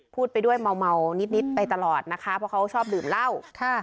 พูดไปด้วยเมาเมานิดนิดไปตลอดนะคะเพราะเขาชอบดื่มเล่าค่ะ